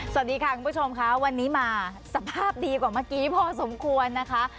สวัสดีค่ะคุณผู้ชมค่ะวันนี้มาสภาพดีกว่าเมื่อกี้พอสมควรนะคะ